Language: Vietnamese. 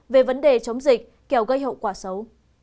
về vấn đề chống dịch kẻo gây hậu quả xấu